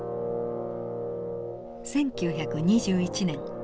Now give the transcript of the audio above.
１９２１年。